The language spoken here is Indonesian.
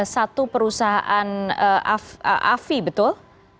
satu perusahaan afi betul